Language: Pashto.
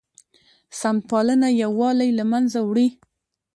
سمت پالنه یووالی له منځه وړي